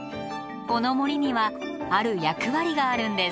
この森にはある役割があるんです。